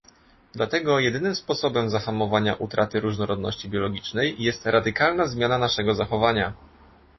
Dlatego jedynym sposobem zahamowania utraty różnorodności biologicznej jest radykalna zmiana naszego zachowania